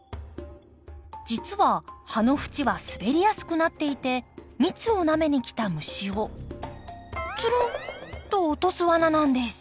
実は葉の縁は滑りやすくなっていて蜜をなめに来た虫をツルンと落とすワナなんです。